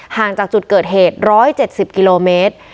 ห่างจากจุดเกิดเหตุ๑๗๐กิโลเมตร